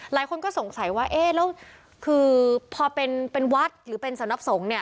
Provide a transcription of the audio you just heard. หลายคนก็สงสัยว่าเอ๊ะแล้วคือพอเป็นวัดหรือเป็นสำนักสงฆ์เนี่ย